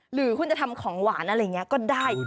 หรือคุณจะทำของหวานอะไรอย่างนี้ก็ได้